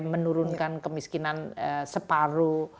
menurunkan kemiskinan separuh